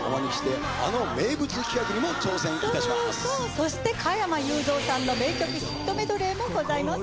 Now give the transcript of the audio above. そして加山雄三さんの名曲ヒットメドレーもございます。